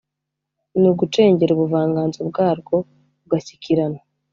ni ugucengera ubuvanganzo bwarwo ugashyikirana